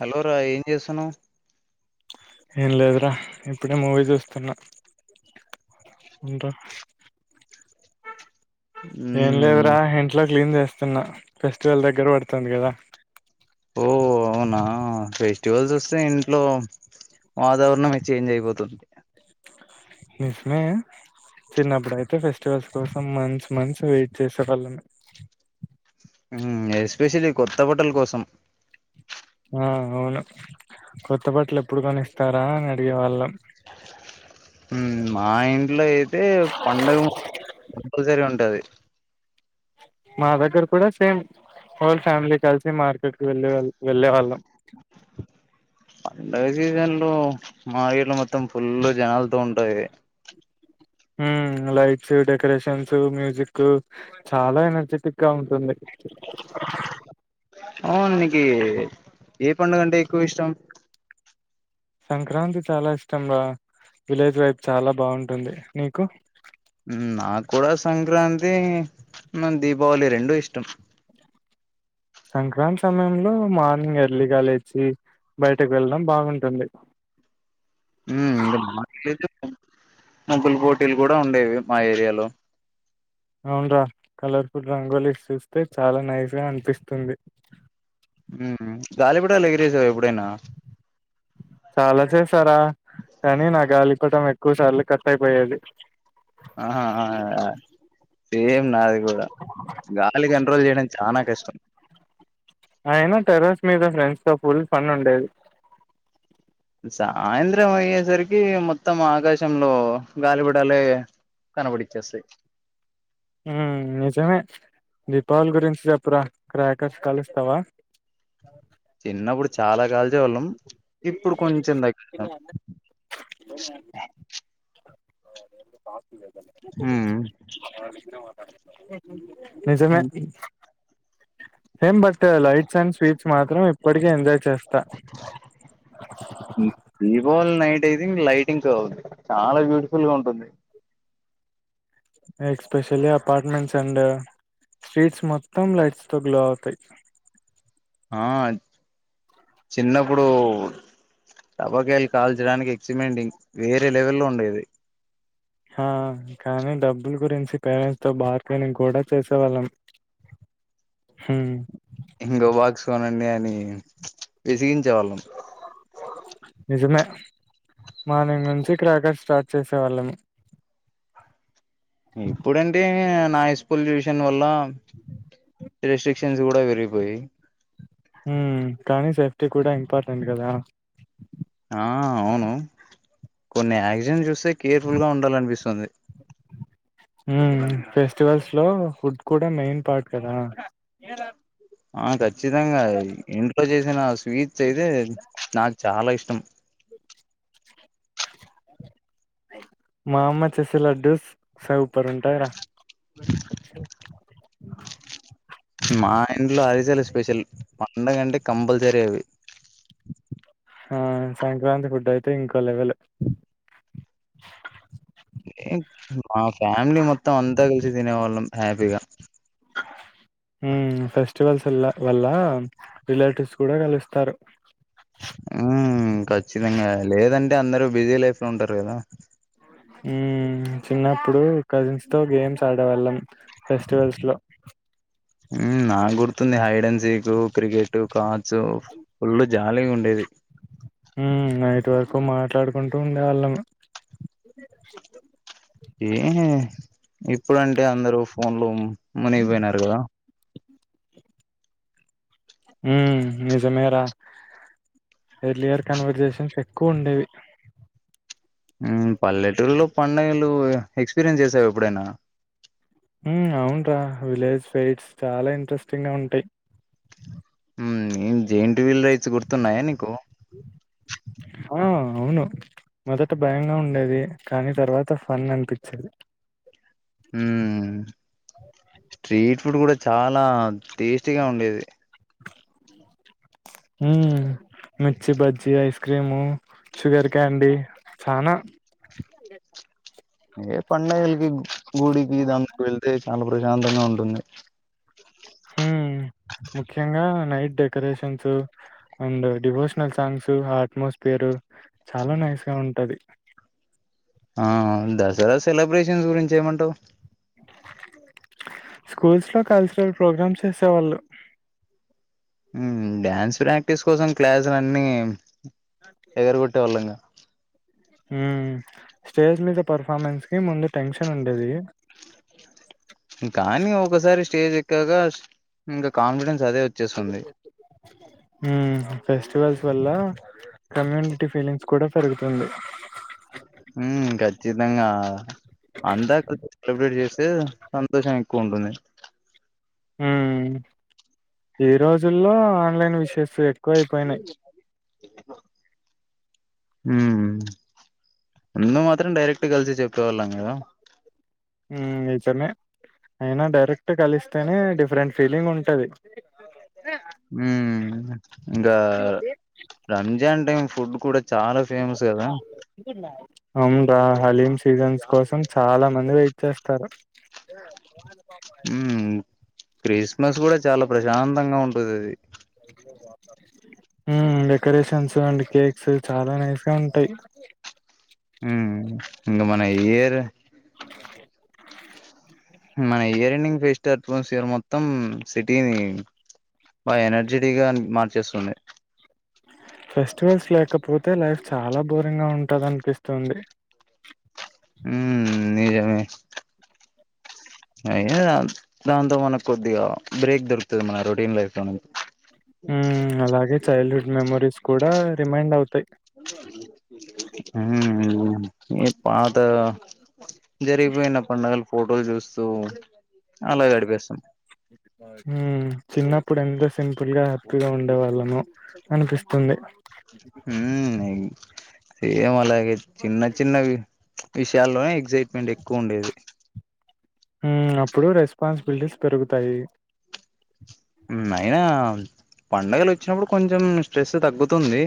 Hello రా ఏం చెస్తున్నవ్ ఏం లేదురా ఇప్పుడే మూవీ చూస్తున్నా ఇంకా ఏం మ్మ్ లేదురా ఇంట్లో క్లీన్ చేస్తున్నా ఫెస్టివల్ దగ్గర పడుతుంది కదా ఓ అవునా ఫెస్టివల్స్ వస్తే ఇంట్లో వాతావరణమే చేంజ్ అయిపోతుంది నిజమే చిన్నప్పుడయితే ఫెస్టివల్స్ కోసం మంచ్ మంచ్ వెయిట్ చేసే వాళ్ళం ఎస్పెషలీ కొత్త బటల కోసం ఆ అవును కొత్త బత్తలు ఎప్పుడు కొనిస్తారా అని అడిగేవాళ్ళం ఊ మా ఇంట్లో అయితే పండగ కంపల్సరీ ఉంటది మా దగ్గర కూడా సేమ్ హోల్ ఫ్యామిలీ కలిసి మార్కెట్కి వెళ్ళళ్ వెళ్ళే వాళ్ళం పండుగ సీజన్ లో మా ఇల్లు మొత్తం ఫుల్ జనాలతో ఉంటది ఉమ్ లైట్స్ డెకరేషన్స్ మ్యూజిక్ చాలా ఎనర్జెటిక్ గా ఉంటుంది అవుకి నికి ఏ పండగ అంటే ఎక్కువ ఇష్టం సంక్రాంతి చాలా ఇష్టం రా విలేజ్ లైఫ్ చాలా బాగుంటుంది నీకు ఊ నా కూడా సంక్రాంతి వున్ను దీపావళి రెండూ ఇష్టం సంక్రాంతి సమయంలో మార్నింగ్ ఎర్లీగా లేచి బయటకు వెళ్ళడం బాగుంటుంది ఊ ఇంకా మార్నింగ్ లో ఐతే ముగ్గులు పోటీలు కూడా ఉండేవి మా ఏరియాలో అవున రా కలర్ ఫుల్ రంగులు ఇచ్ చూస్తే చాలా నైస్ గా అనిపిస్తుంది ఊ గాలి పటాలు లేగిరేసరా ఎప్పుడైనా చాలా చేస్తారా కానీ నా గాలిపటం ఎక్కువ సార్లు కట్ అయిపోయేది ఆహా ఆ సేమ్ నాది కూడా గాలి కంట్రోల్ చేయడం చానా కష్టం అయినా టెర్రస్ మీద ఫ్రెండ్స్ తో ఫుల్ ఫన్ ఉండేది సాయంత్రం అయ్యేసరికి మొత్తం ఆకాశంలో గాలిపటలు ఏ కనబడిచ్చేస్తయి నిజమే దీపావళి గురించి చెప్పురా క్రాకర్స్ కాలుస్తావా చిన్నప్పుడు చాలా కాల్చేవాళ్ళం ఇప్పుడు కొంచెం తగిస్తాం ఊ నిజమే ఏం బట్ లైట్స్ అండ్ స్వీట్స్ మాత్రం ఇప్పటికే ఎంజాయ్ చేస్త ఊ దీపావళి నైట్ అయితే ఇంకా లైట్ ఇంకో చాలా బ్యూటిఫుల్ గా ఉంటుంది ఎక్స్పెషల్లీ అపార్ట్మెంట్స్ అండ్ స్ట్రీట్స్ మొత్తం లైట్స్ తో గ్లో అవుతాయి ఆ చిన్నప్పుడు టబకాయలు కాల్చడానికి ఎక్స్మెండింగ్ వేరే లెవెల్లో ఉండేది ఆ కానీ డబ్బుల గురించి పేరెంట్స్ తో బార్ కేనింగ్ కూడా చేసే వాళ్ళం హు ఇంకో బాక్స్ కొనండి అని విసిగించేవాళ్ళం నిజమే మార్నింగ్ నుంచి క్రాకర్స్ స్టార్ట్ చేసే వాళ్ళము ఇప్పుడంటే నాయిస్ పొల్యూషన్ వల్ల ఈ రెస్ట్రిక్షన్స్ కూడా పెరిగిపోయయ్ కానీ సేఫ్టీ కూడా ఇంపార్టెంట్ కదా ఆ అవును కొన్ని యాక్సిడెంట్ చూస్తే కేర్ఫుల్ గా ఉండాలనిపిస్తుంది ఫెస్టివల్స్ లో ఫుడ్ కూడ మెయిన్ పార్ట్ కదా ఏర ఆ ఖచ్చితంగ ఇంట్లో చేసిన స్వీట్స్ అయితే నాకు చాల ఇష్టం మా అమ్మ చస లడ్డూ సూపర్ ఉంటాయిర బ మా ఇంట్లో అరి [unintelligible] స్పెషల్ పండగ అంటే కంపల్సరీ అవి ఆ సంక్రాంతి ఫుడ్ అయితే ఇంకో లెవెల్ మా ఫ్యామిలీ మొత్తం అంత కలిసి తినేవాళ్ళం హ్యాపీగ ఫెస్టివల్స్ వల్ల రిలేటివ్స్ కూడ కలుస్తారు ఉ ఖచ్చితంగ లేదంటే అందరు బిజీ లైఫ్ లో ఉంటారు కదా చిన్నప్పుడు కజిన్స్ తో గేమ్స్ ఆడేవాళ్ళం ఫెస్టివల్స్ లో నాకు గుర్తుంది [unintelligible] సీక్ క్రికెట్ క [unintelligible] ఫుల్ జాలీగ ఉండేది నైట్ వరకు మాట్లాడుకుంటూ ఉండేవాళ్ళం చె ఏ ఇప్పుడంటే అందరు ఫోన్ లో మునిగిపోయినారు కదా నిజమేరా ఎర్లియర్ కన్వర్జేషన్స్ ఎక్కువ ఉండేవి పల్లెటూరులో పండుగలు ఎక్స్పీరియన్స్ చేసావ ఎప్పుడైన అవున రా విలేజ్ ఫైట్స్ చాల ఇంట్రెస్టింగ్గా ఉంటాయి్ ఏం జైట్ వీలు రైస్ కుర్తున్నాయ నీకు ఆ అవును మొదట భయంగ ఉండేది కానీ తర్వాత ఫన్ అనిపిచేది హ స్ట్రీట్ ఫుడ్ కూడ చాల టేస్టీగా ఉండేది హు mirchi bajji ice cream sugar candy చాన ఏ పండగలకి గుడికి [unintelligible] వెళ్తే చాలా ప్రశాంతంగ ఉంటుంది హు ముఖ్యంగా నైట్ డె డెకరేషన్స్ అండ్ డివోషనల్ సాంగ్స్ ఆ అట్మోస్ఫియర్ చాల నైస్ గా ఉంటది ఆ దసరా సెలబ్రేషన్స్ గురించి ఏమంటావు స్కూల్స్ లో కల్చరల్ ప్రోగ్రామ్స్ చేసేవాళ్ళు డ్యాన్స్ ప్రాక్టీస్ కోసం క్లాసులు అన్ని ఎగరగొట్టేవాళ్ళం గా స్టేజ్ మీద పర్ఫార్మెన్స్ కి ముందు టెన్షన్ ఉండేది కానీ ఒకసారి స్టేజ్ ఎక్కగా ఇంకా కాన్ఫిడెన్స్ అదే వచ్చ చ్చేస్తుంది హు ఫెస్టివల్స్ వల్ల కమ్యూనిటీ ఫీలింగ్స్ కూడ పెరుగుతుంది ఖచ్చితంగా అంతా సెలబ్రేట్ చేసి సంతోషం ఎక్కువ ఉంటుంది ఈ రోజుల్లో ఆన్లైన్ విషేస్ ఎక్కువ అయిపోయినాయి ముందు మాత్రం డైరెక్ట్ కలిసి చెప్పేవాళ్ళం కదా [unintelligible] నిజమే అయినా డైరెక్ట్ కలిస్తేనే డిఫరెంట్ ఫీలింగ్ ఉంటది ఇంక రంజా అంటే ఫుడ్ కూడ అవున్ రా హలీం సీజన్స్ కోసం చాలా మంది వెయిట్ చేస్తారు [unintelligible] బాంది పాప ఊ క్రిస్మస్ గూడ చాలా ప్రశాంతంగా ఉంటదది ఊ డెకరేషన్సు అండు కేక్సూ చాలా నైస్ గా ఉంటాయ్ ఊ ఇంగ మన ఏరు అ మన ఇయర్ ఎండింగ్ ఫెస్టు అట్మాోస్ఫియర్ మొత్తం సిటీనీ బాగా ఎనర్జెటీగా మార్చేస్తుంది ఫెస్టివల్స్ లేకపోతే లైఫ్ చాలా బోరింగ్ గా ఉంటదన్పిస్తుంది ఊ నిజమే [unintelligible] దాంతో మనక్ కొద్దిగా బ్రేక్ దొరుకుతది మన రొటీన్ లైఫ్ లోనుంచి ఊ అలాగే చైల్డ్ హుడ్ మెమరీస్ కూడా రిమైండ్ అవుతాయ్ ఉహూ ఏత్ పాతా జరిగిపోయిన పండగల ఫోటోల్ జూస్తూ అలాగ గడిపేస్తం ఊ చిన్నప్పుడు ఎంత సింపుల్ గా హ్యప్పీగ ఉండే వాళ్ళమో అనిపిస్తుంది హూన్నాయ్ ఏమో అలాగే చిన్న చిన్నవి విషయాల్లోనే ఎక్సైట్ మెంట్ ఎక్కువ ఉండేది హూ అప్పుడు రెస్పాన్సిబిల్టీస్ పెరుగుతాయి ఉ అయినా పండగలొచ్చినబ్బుడు కొంచం స్ట్రెస్సు తగ్గుతుంది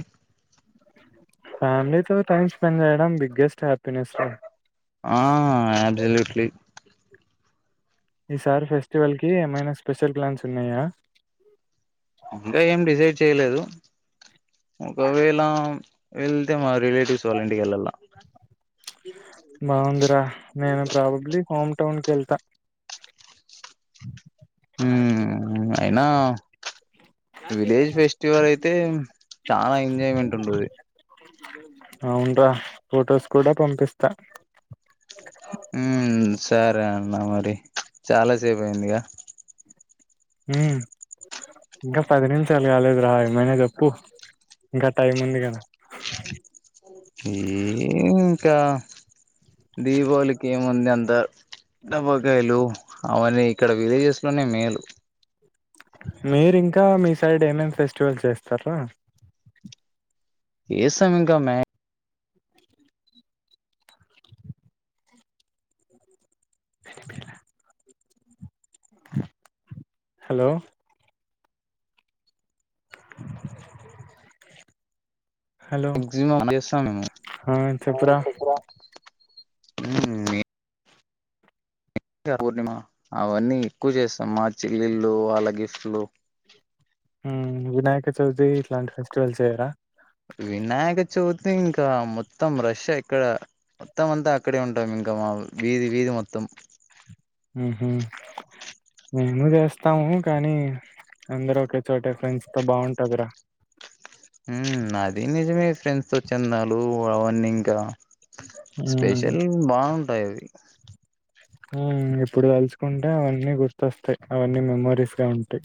ఫ్యామ్లీతో టైమ్ స్పెండ్ జేయడం బిగ్గెస్ట్ హ్యాపీనెస్రా ఆ యాబ్జుల్యూట్లీ ఈ సారి ఫెస్టివల్ కి ఏమైనా స్పెషల్ ప్లాన్సున్నాయా ఇంగా ఏం డిసైడ్ చేయ్లేదు ఒకవేళ వెళ్తే మా రిలేటివ్స్ వాళ్ళ ఇంటికి ఎళ్ళళ్ళ బావుందిరా నేను ప్రాబబ్లీ హోమ్ టౌన్ కి ఎళ్తా ప్లాస్టిక్ ఉమ్ అయినా విలేజ్ ఫెస్టివల్ అయితే చాలా ఎంజాయ్మెంటుంటది హవున్ రా ఫొటోస్ కూడా పంపిస్తా ఊ సరే అన్న మరి చాలాసేపయిందిగా ఊ ఇంకా పది నిమిషాల్ గాలేదు రా ఏమైనా జెప్పు ఇంకా టైముంది గదా ఏ ఇంకా దీపావళికేముంది అంతా డబ్బకాయ్లు అవన్నీ ఇక్కడ విలేజెస్ లోనే మేలు మీరింకా మీ సైడ్ ఏమేం ఫెస్టివల్స్ చేస్తర్రా ఏస్తమింక మ్యా పెళ్లి పిల్ల హలో హలో ఆ ఆ చొప్పు చెప్పురా రా గా పూర్ణిమా అవన్నీ ఎక్కువ్ జేస్తామ్ మా చెల్లిళ్లు వాళ్ళ గిఫ్ట్లు హు వినాయక చవితీ ఇట్లాంటి ఫెస్టివల్స్ చేయ్యరా వినాయక చవితి ఇంకా మొత్తం రష్యే ఇక్కడ మొత్తం అంతా అక్కడే ఉంటాం ఇంకా మా వీధి వీధి మొత్తం ఉహు హు మేము చేస్తాము కానీ అందరు ఒకే చోట ఫ్రెండ్స్తో బాగుంటందిరా హు ఆది నిజమే ఫ్రెండ్స్ తో చెందాలు అవన్నీ ఇంకా హ్మ్. స్పెషల్ బాగుంటాయి అవి హు ఇప్పుడు తలుసుకుంటే అవన్నీ గుర్తొస్తాయి అవన్నీ మెమరీస్గా ఉంటాయి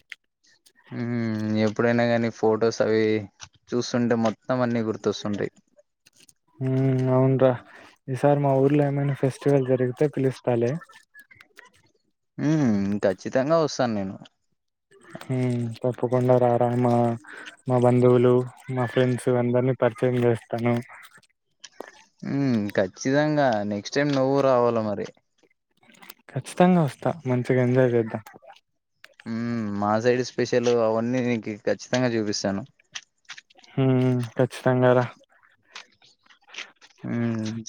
హు ఎప్పుడైనా గాని ఫొటోస్ అవి చూస్తుంటే మొత్తం అన్ని గుర్తొస్తుంటాయి హు అవునురా ఈసారీ మా ఊర్లో ఏమైనా ఫెస్టివల్ జరిగితే పిలుస్తాలే హు ఖచ్చితంగా వస్తాను నేను హు తప్పుకుండా రారా మామా మా బంధువులు మా ఫ్రెండ్స్ అందరినీ పరిచయం చేస్తాను హు ఖచ్చితంగా నెక్స్ట్ టైం నువ్వు రావాల మరి ఖచ్చితంగా వస్తా మంచిగా ఎంజాయ్ చేద్దాం హు మా సైడ్ స్పెషలు అవన్నీ నీకు ఖచ్చితంగా చూపిస్తాను హు ఖచ్చితంగా రా హు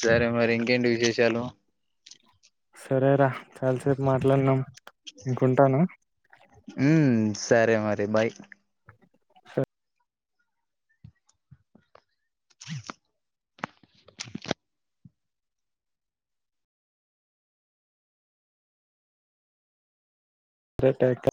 సరే మరి ఇంకేంటి విశేషాలు సరేరా చాలాసేపు మాట్లాడీనాం ఇంకుటాను హు సరే మరి బాయ్ రట్క్కేర్